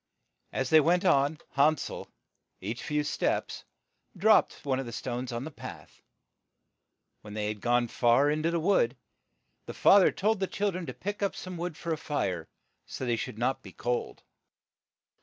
As they went on, Han sel each few steps dropped one of the stones on the path. When they had gone far into 0%$ the wood, the fa ther rm told the chil dren to Iffy pick up some wood for a fire, so that they should not be cold.